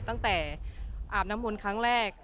ตั้งแต่อาบน้ำมนต์ครั้งแรก